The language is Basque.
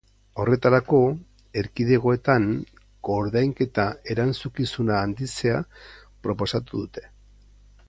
Horretarako, erkidegoetan koordainketa erantzukizuna handitzea proposatu dute.